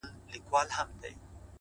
زه به دا ټول كندهار تاته پرېږدم،